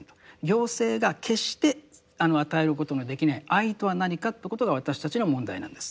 行政が決して与えることのできない愛とは何かということが私たちの問題なんですって